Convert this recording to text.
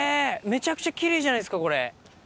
めちゃくちゃ奇麗じゃないですかこれ。